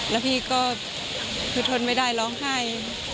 แล้วพี่ก็คือทนไม่ได้ร้องไห้